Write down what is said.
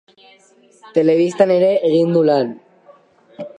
Telebistan ere egin du lan.